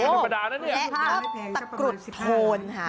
ธรรมประดานั้นเนี่ยและตะกรุดโทนค่ะ